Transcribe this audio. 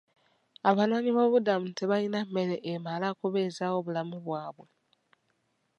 Abanoonyi b'obubuddamu tebalina mmere emala kubeezawo bulamu bwabwe.